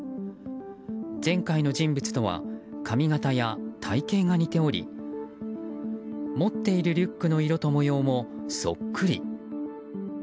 前回の人物とは髪形や体形が似ており持っているリュックの色と模様もそっくり。